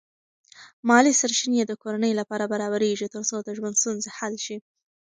مالی سرچینې د کورنۍ لپاره برابرېږي ترڅو د ژوند ستونزې حل شي.